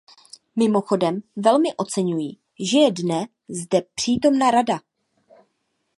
Mimochodem velmi oceňuji, že je dne zde přítomna Rada.